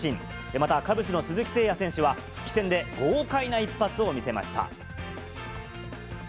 また、カブスの鈴木誠也選手は復帰戦で豪快な一発を見せました。